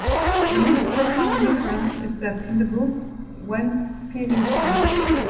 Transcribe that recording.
The most profound difference is that, in the book, when Pvt.